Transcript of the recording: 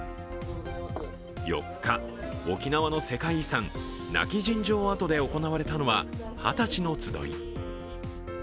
４日、沖縄の世界遺産、今帰仁城跡で行われたのは二十歳のつどい。